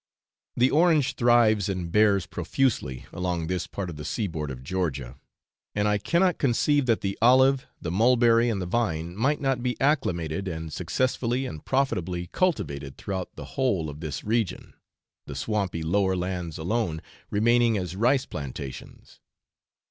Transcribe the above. The orange thrives and bears profusely along this part of the sea board of Georgia; and I cannot conceive that the olive, the mulberry, and the vine might not be acclimated and successfully and profitably cultivated throughout the whole of this region, the swampy lower lands alone remaining as rice plantations.